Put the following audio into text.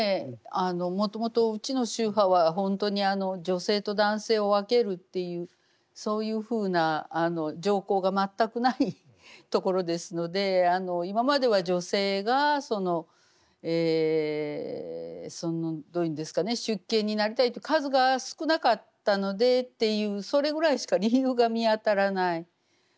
もともとうちの宗派は本当に女性と男性を分けるっていうそういうふうな条項が全くないところですので今までは女性がどう言うんですかね出家になりたいと数が少なかったのでっていうそれぐらいしか理由が見当たらない。